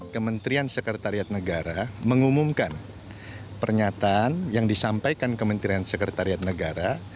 kementerian sekretariat negara mengumumkan pernyataan yang disampaikan kementerian sekretariat negara